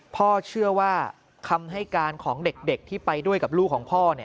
พ่อเชื่อว่าคำให้การของเด็กที่ไปด้วยกับลูกของพ่อ